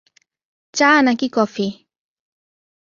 চা নাকি কফি?